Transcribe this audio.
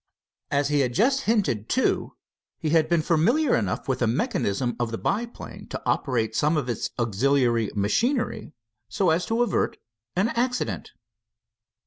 As he had just hinted, too, he had been familiar enough with the mechanism of the biplane to operate some of its auxiliary machinery so as to avert an accident.